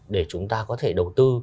để chúng ta có thể đầu tư